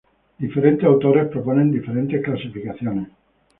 Diferentes autores proponen diferentes clasificaciones.